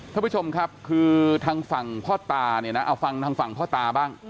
ท่านผู้ชมครับคือทางฝั่งพ่อตาเนี่ยนะเอาฟังทางฝั่งพ่อตาบ้าง